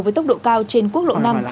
với tốc độ cao trên cây